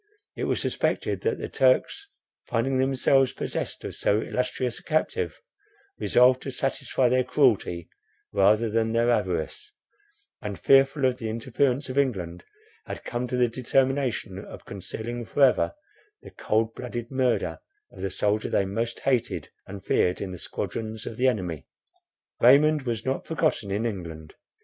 It was suspected that the Turks, finding themselves possessed of so illustrious a captive, resolved to satisfy their cruelty rather than their avarice, and fearful of the interference of England, had come to the determination of concealing for ever the cold blooded murder of the soldier they most hated and feared in the squadrons of their enemy. Raymond was not forgotten in England.